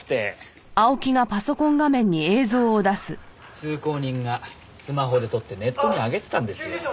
通行人がスマホで撮ってネットに上げてたんですよ。